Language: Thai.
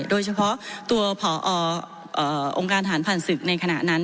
โดยเฉพาะตัวผอองค์การฐานผ่านศึกในขณะนั้น